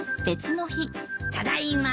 ただいま。